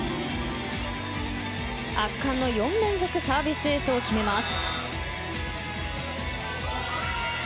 圧巻の４連続サービスエースを決めます。